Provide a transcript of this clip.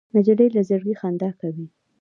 نجلۍ له زړګي خندا کوي.